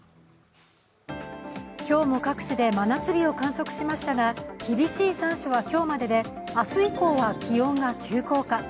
今日も各地で真夏日を観測しましたが厳しい残暑は今日までで明日以降は気温が急降下。